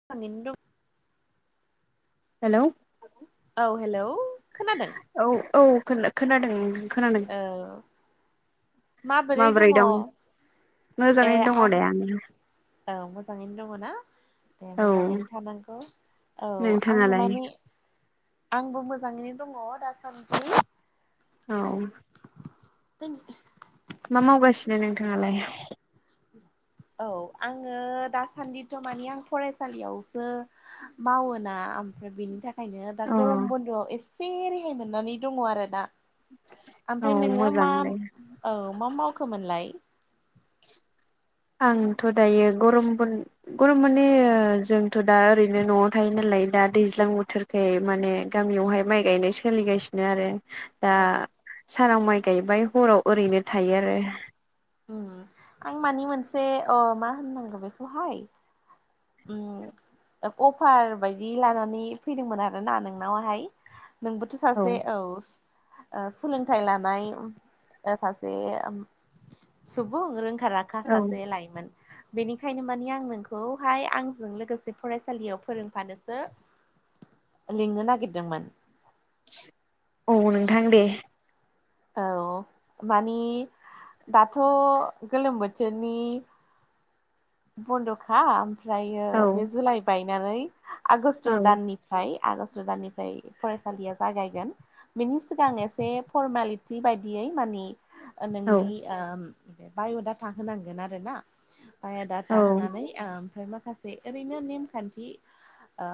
[unintelligible] Hello. औ hello खोनादों? औ औ खोना-खोनादों। औ माबोरै दङ ए मोजाङैनो आं दङ दे औ मोजाङैनो दङ ना। ए आं औ मोजाङैनो थानांगौ औ आङो नोंथाङालाय माने। आंबो मोजाङैनो दङ दासान्दि। औ। [inaudible] मा मावगासिनो नोंथाङालाय औ आङो दासान्दिथ' मानि आं फरायसालियावसो मावो ना आम। बेनि थाखायनो दा अ गरम बन्द'आव एसे रेहाय मोननानै दङ आरो ना। औ ओमफाय नोङो मोजां मा दे औ मा मावखोमोनलाय? आंथ' दायो गरम बन गर' माने जोंथ' दा ओरैनो न'आव थायो नालाय दा दैज्लां बोथोर। [unintelligible] माने गामियावहाय माइ गायनाय सोलिगासिनो आरो। दा औ सानाव माइ गायबाय हराव ओरैनो थायो आरो। ओं आं मानि मोनसे अ मा होननांगौ बेखौहाय। ओम। अफार बायदि लानानै फैदोंमोन आरोना नोंनावहाय नोंबो सासे औ ओ सोलोंथाइ लानाय ओ सासे सुबुं रोंखा राखा औ सासे लायमोन बेनिखायनो मानि आं नोंखौ। खौहाय आंजों लोगोसे फरायसालियाव फोरोंफानोसो लिंनो नागितदोंमोन। औ नोंथां दे। औ मानि दाथ' गोलोम बोथोरनि। बन्द'खा ओमफ्रायो औ बे जुलाइ बायनानै आगष्ट औ दाननि फाय आगष्ट दाननिफाय फरायसालिया जागायगोन। बिनि सिगां एसे फरमेलिटि बायदियै मानि। ओ औ नोंनि ओ बाय डाथा होनांगोन आरो ना। बाय'डाटा औ होनानै ओ ओमफ्राय माखासे ओरैनो नेमखान्थि आ।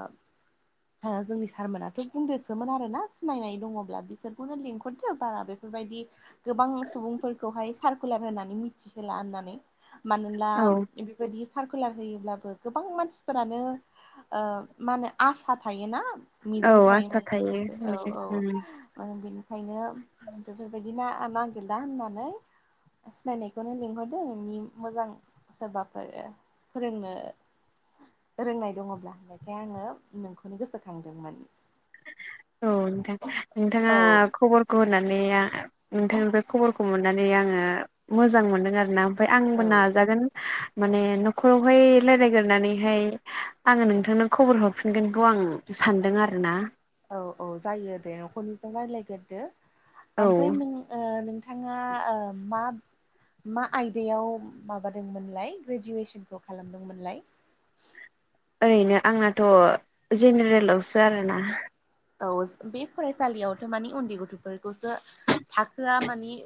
ओ जोंनि सारमोनाथ' बुंदोसोमोन आरो ना सिनायनाय दङब्ला बिसोरखौनो लिंहरदो बारा बे बेफोरबायदि गोबां सुबुंफोरखौहाय सारकुलार होनानै मिथिहोला होननानै मानोना औ बेफोरबायदि सारकुलार होयोब्लाबो गोबां मानसिफोरानो ओ मानो आसा थायोना औ मिजिं थायो आसा मोनसे मोनसे औ बेजों औ। उम ओ बेनिखायनो बेफोरबायदि ना नागिरला होननानै। सिनायनायखौनो लिंहरदो नोंनि मोजां सोरबाफोर फोरोंनो रोंनाय दङब्ला [unintelligible] आङो नोंखौनो गोसोखांदोंमोन। औ नोंथां नोंथाङा औ खबर। गनानै आ नोंथांनिफ्राय खबरखौ मोननानै आङो मोजां मोनदों आरो ना। ओमफफ्राय औ आंबो नाजागोन माने न'खरावहाय रायलायग्रोनानैहाय आङो नोंथांनो खबर हरफिनगोनखौ आं सानदों आरो ना। औ औ जायो दे न'खरनिजों रायज्लायग्रदो औ आमफ्राय नों। ओ नोंथाङा ओ मा। मा आयदायाव माबादोंमोनलाय ग्रेजुवेसनखौ खालामदोंमोनलाय ओरैनो आंनाथ' जेनेरेलावसो आरोना। औ बे फरायसालियावथ' मानिे उन्दै गथ'फोरखौसो थाखोआ मानि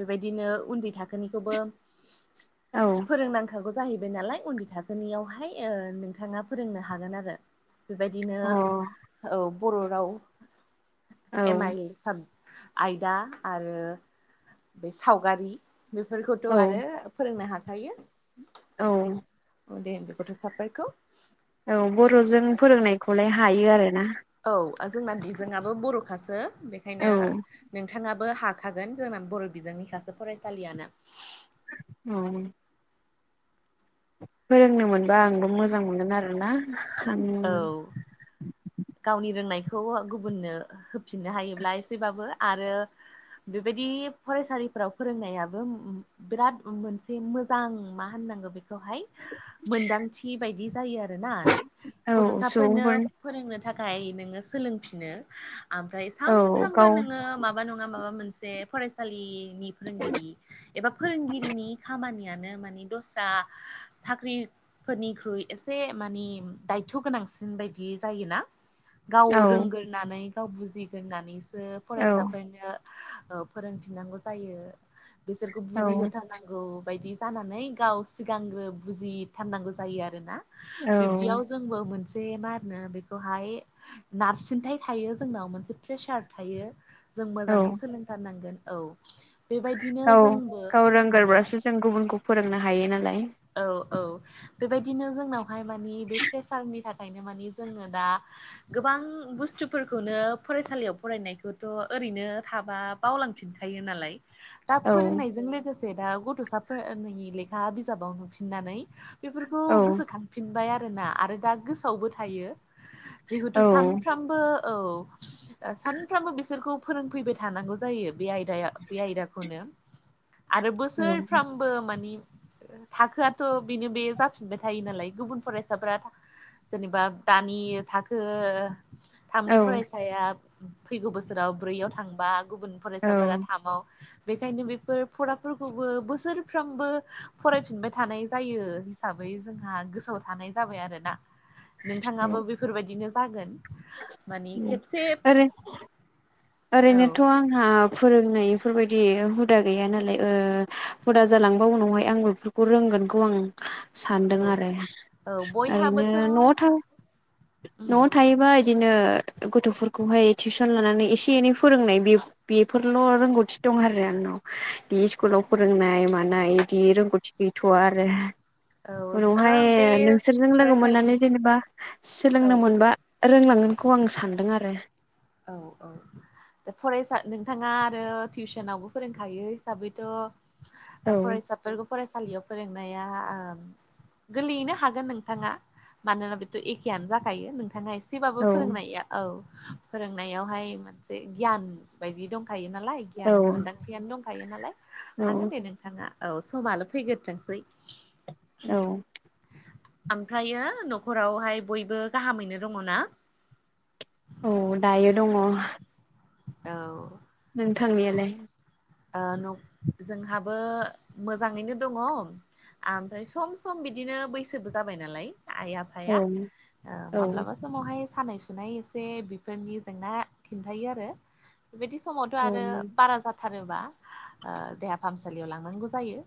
बेबायदिनो उन्दै थाखोनिखौबो औ। फोरोंनांखागौ जाहैबाय नालाय उन्दै थाखोनियावहाय ओ नोंथाङा फोरोंनो हागोन आरो। बेबायदिनो अ औ बर' राव औ एम आइल आयदा आरो बे सावगारि बेफोरखौथ' औ आरो फोरोंनो हाखायो। औ उन्दै उन्दै गथ'साफोरखौ। औ बर'जों फोरोंनायखौलाय हायो आरो ना। औ जोंना बिजोंआो बर'खासो औ बेखायनो नोंथाङाबो हा थागोन जोंना बर' बिजोंनि साससे फरायसालियानो। औ फोरोंनो मोनबा आंबो मोजां मोनगोन आरोना। [inaudible] औ। गावनि रोंनायखौ गुबुननो होफिननो हायोब्ला एसेबाबो आरो। बेबायदि फरायसालिफोराव फोरोंनायाबो। बिराद मोनसे मोजां मा होननांगौ बेखौहाय मोनदांथि बायदि जायो आरोना औ गथ'साफोरनो सुबुंफोर फोरोंनो थाखाय नोङो सोलोंफिनो आमफ्राय औ सानफ्रामबो गाव नोङो मा मा नङा माबा मोनसे फरायसालिनि फोरोंगिरि एबा फोरोंगिरिनि खामानि यानो मान दस्रा साख्रिफोरनिख्रुइ एसे माने दायथ' गोनांसिन बायदि जायोना गाव औ रोंगोरनानै गाव बुजिगोरनानै औ फरायसाफोरनो फोरोंफिननांगौ जायो बिसोरखौ औ बुजिहोनांगौ नांगौ बायदि जानानै गाव सिगांग्रो बुजिथारनांगौ जायो आरो ना। औ बिब्दियाव जोंबो मोनसे मा होनो बेखौहाय। नारसिनथाय थायो जोंनाव मोनसे प्रेसार थायो जों औ मोजाङै सोलोंथारनांगोन औ बेबायदि औ गाव रोंगोरोबासो जों गुबुनखौ फोरोंनो हायो नालाय औ औ बेबायदिनो जोंनावहाय मानि बे प्रेसारनि थाखायनो मानि जोङो दा गोबां बुस्थुफोरखौनो फरायसालियाव फरायनायखौथ' ओरैनो थाबा बावलांफिनखायो नालाय दा औ फोरोंनायजों लोगोसे दा गथ'साफोरनि लेखा बिजाबाव नुफिननानै। बेफोरखौ औ गोसोखांफिनबाय आरोना आरो दा गोसोआवबो थायो। जिहेतु सानफ्रामबो औ सानफ्रामबो बिसोरखौ फोरोंफैबाय थानांगौ जायो बे आयदाया बे आयदाखौनो। आरो औ बोसोरफ्रामबो मानि। थाखोआथ' बेनो बे जाफिनबाय थायो नालाय गुबुन फरायसाफोरा। जेनेबा दानि थाखो। थामनि औ फरायसाया फैगौ बोसोराव ब्रैयाव थांबा गुबुन। फरायसाफोरा औ थामाव बेखायनो बेफोर फराफोरखौबो बोसोरफ्रामबो। फरायफिनबाय थानाय जायो हिसाबै जोंहा गोसोआव थानाय जाबाय आरो ना। नोंथाङाबो बेफोरबायदिनो जागोन माने खेबसे। ओरै औ ओरैनोथ' आंहा फोरोंनायफोरबायदि हुदा गैया नालाय ओ हुदा जालांबा उनावहाय आंबो खौ रोंगोनखौ आं औ सानदों आरो औ ओरैनो बयहाबोथ' न'आव थां उम न'आव थायोबा इदिनो गथ'फोरखौहाय टिउसन लानानै एसे एनै फोरोंनाय बे बेफोरल' रोंगौथि दं आरो आंनाव। बिदि स्कुलाव फोरोंनाय मानाय बिदि रोंगौथि गैथ'वा आरो। औ ओ उनावहाय बे नोंसोरजों लोगो फरायसालि मोननानै जेनेबा औ सोलोंनो मोनबा रोंलांगोनखौ आं सानदों आरो। औ औ। दा फरायसा नोंथाङा आरो टिउसनावबो फोरोंखायो हिसाबैथ' औ फरायसाफोरखौ फरायसालियाव फोरोंनाया ओ गोरलैयैनो हागोन नोंथाङा मानोना बेथ' एखेयानो जाखायो नोंथाङा एसेबाबो औ फोरोंनाया औ फोरोंनायावहाय मोनसे गियान बायदि दंखायो नालाय। औ गियान मोनदांथियानो दंखायो नालाय औ हागोन दे नोंथाङा। औ समाल' फैग्रोथोंसै। औ ओमफ्रायो न'खरावहाय बयबो गाहामैनो दङ ना? औ दायो दङ। औ। नोंथांनियालाय? ओ न' जोंहाबो मोजाङैनो दङ। ओमफ्राय सम सम बिदिनो बैसोबो जाबाय नालाय आइ आ औ फाया ओ औ माब्लाबा बे समावहाय सानाय सुनाय एसे बेफोरनि जेंना खिन्थायो आरो। बेदि समावथ' औ आरो बारा जा थारोबा ओ देहा फाहामसालियाव लांनांगौ जायो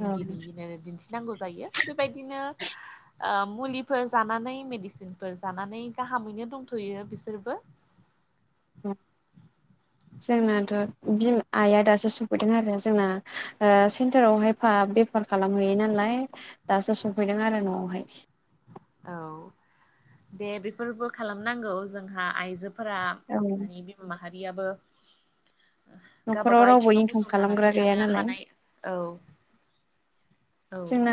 औ दिन्थि नांगौ जायो। बेबायदिनो ओं मुलिफोर जानानै मेडिसिनफोर जानानै गाहामैनो दंथ'यो बिसोरबो। [unintelligible] [inaudible] जोंनाथ' बिमा आइआ दासो सफैदों आरो जोंना ओ सेन्टारावहाय फा बे बेफार खालामहैयो नालाय दासो सफैदों आरो न'आवहाय। औ दे बेफोरबो खालामनांगौ जोंहा आइजो फोरा औ माने बिमा माहारियाबो न'खराव गावबागाव रावबो आथिङाव इनकाम खालामग्रा गसंथानानै गैया थानो नालाय हानाय औ। औ जोंना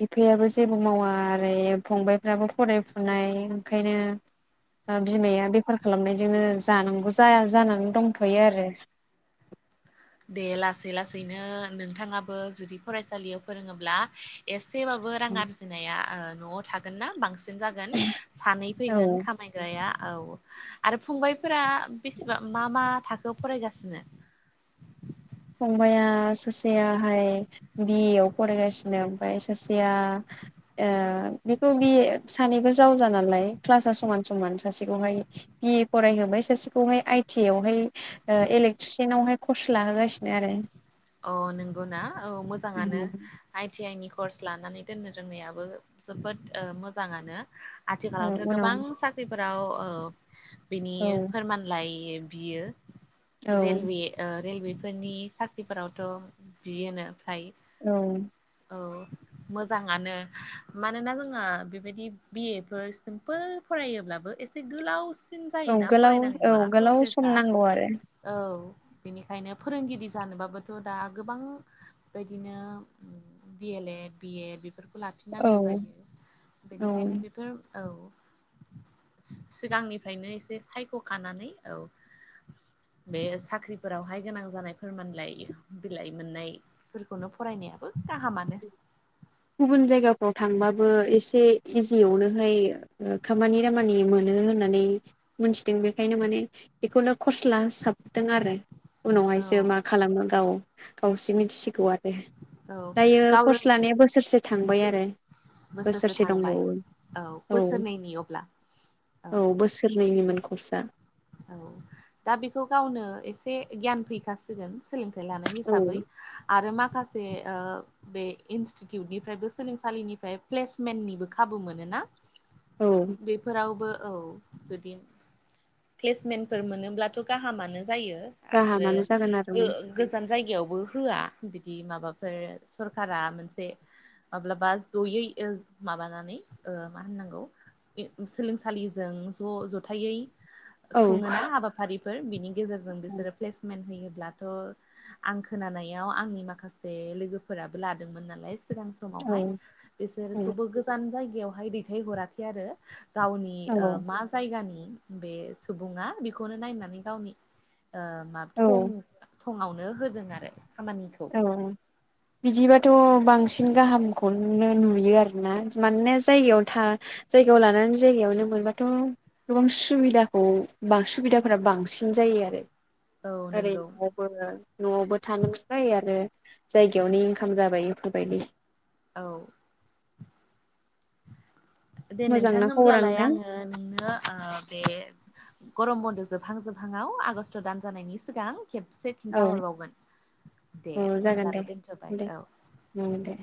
बि फायाबो जेबो मावा आरो फंबायफ्राबो फरायफुनाय ओंखायनो ओ बिमाया बेफार खालामनायजोंनो जानांगौ जाया जानानै दंथ'यो आरो। दे लासै लासैनो नोंथाङाबो जुदि फरायसालियाव फोरोङोब्ला एसेबाबो रां आरजिनाया न'आव थागोन ना बांसिन जागोन सानै फैगोन औ खामानि बिदाया औ आरो फंबायफोरा बेसेबां मा मा थाखोआव फरायगासिनो? फंबाइाया सासेयाहाय बिए आव फरायगासिनो ओमफ्राय सासेया ओ बेखौ बि सानैबो जावजा नालाय क्लासा समान समान सासेखौहाय बि ए फरायहोबाय, सासेखौहाय आइ टि आइ आवहाय ओ इलेक्ट्रिसियानावहाय कर्स लाहोगासिनो आरो। औ नंगौ ना, औ मोजाङानो। आइ टि आइ नि कर्स लानानै दोननो रोंनायाबो जोबोद ओ मोजाङानो। ओ आथिखालावथ' गोबां उनाव साख्रिफोराव ओ बिनि औ फोरमान बिलायो बियो औ रेलवे ओ रेलवे फोरनि साख बिफोरावथ' बियो फ्राय। औ औ मोजाङानो मानोना जोङो बेबायदि बिए फोर सिम्पोल फरायोब्लाबो एसे गोलावसिन औ जायोना गोलाव औ फरायनांगौआ गोलाव सम प्रसेसा नांगौ आरो औ बेनिखायनो फोरोंगिरि जानोबाबोथ' दा गोबां बेदिनो बि एल ए बिए बेफोरखौ लाफिननांगौ औ जायो औ बेनिखायनो बेफोर औ। सि-सिगांनिफ्रायनो एसे सायख'खानानै औ बे साख्रिफोरावहाय गोनां जानाय फोरमानलाइ बिलाइ मोननायफोरखौनो फरायनायाबो गाहामानो। गुबुन जायगाफ्राव थांबाबो एसे इजियावनोहाय खामानि दामानि मोनो होननानै मोनथिदों बेखायनो माने बेखौनो कर्स लाहोसाबदों आरो औ उनावहायसो मा खालामो गाव गावसि मिथिसिगौ आरो। औ दायो गाव रों कर्स लानाया बोसोरसे थांबाय आरो बोसोरसो बोसोरसे थांबाय दंबावो औ बोसोरनैनि अब्ला औ बोसोरनैनिमोन कर्साआ औ दा बेखौ गावनो एसे गियान फैखासिगोन सोलोंथाइ लानाय औ हिसाबै आरो माखासे ओ बे इनस्टिटिउटनिफ्रायबो सोलोंसालिनिफ्राय प्लेसमेन्टनिबो खाबु मोनोना? औ बेफोरावबो औ जुदि प्लेसमेन्टफोर मोनोब्लाथ' गाहामानो जायो राहा आरो मानो जागोन आरो गो गोजान जायगायावबो होआ बिदि माबाफोर सरखारा मोनसे माब्लाबा जयै ओ माबानानै ओ मा होननांगौ। सोलोंसालिजों ज' ज'थायै औ खुङोना हाबाफारिफोर बिनि गेजेरजों बिसोरो औ प्लेसमेन्ट होयोब्लाथ' आं खोनानायाव आंनि माखासे लोगोफोराबो लादोंमोन नालाय सिगां समावहाय औ बिसोरखौबो गोजान जायगायावहाय दैथायहराखै आरो गावनि ओ मा जायगानि बे सुबुङा बेखौनो नायनानै गावनि ओ मा औ थं फङावनो होदों आरो खामानिखौ। उम बिदिबाथ' बांसिन गाहामखौनो नुयो आरोना मानोना जायगायाव था जायगायाव लानानै जायगायावनो मोनबाथ' गोबां सुबिदाखौ सुबिदाफोरा बांसिन जायो आरो औ ओरै नंगौ [unintelligible] न'आवबो थानो ओफ्राय आरो जायगायावनो इनकाम जाबाय इफोरबायदि औ दे नोंथां मोजांना खबरा होनोमब्लालाय नोंथां आङो नोंनो ओ बे गरम बन्द' जोबहां जोबहांआव आगष्टा दान जानायनि सिगां खेबसे। औ खिन्था हरबावगोन दे होमब्लाललाय दोनथ'बाय औ उम दे।